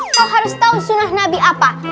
kau harus tahu sunnah nabi apa